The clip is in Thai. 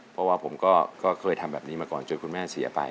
เพราะว่าผมก็เคยทำแบบนี้มาก่อนจนคุณแม่เสียไป